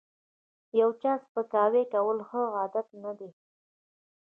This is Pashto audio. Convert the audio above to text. یو چاته سپکاوی کول ښه عادت نه دی